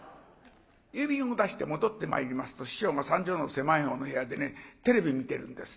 郵便を出して戻ってまいりますと師匠が３畳の狭いほうの部屋でテレビ見てるんです。